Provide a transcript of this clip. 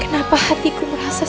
kenapa hatiku merasa sakit